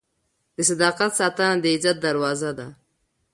د صداقت ساتنه د عزت دروازه ده.